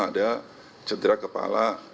ada cedera kepala